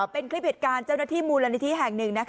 เป็นคลิปเหตุการณ์เจ้าหน้าที่มูลนิธิแห่งหนึ่ง